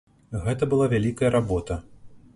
Гэта была вялікая работа.